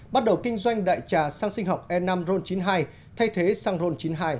bắt đầu kinh doanh đại trà sang sinh học e năm ron chín mươi hai thay thế xăng ron chín mươi hai